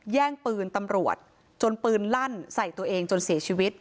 แย่งปืนตำรวจจนปืนลั่นใส่ตัวเองจนเสียชีวิต